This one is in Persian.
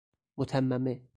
متممه